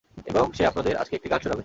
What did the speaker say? এবং সে আপনাদের আজকে একটি গান শুনাবে।